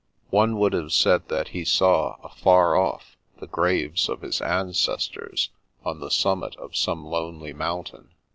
One would have said that he saw, afar off, the graves of his ancestors, on the summit of some lonely mountain.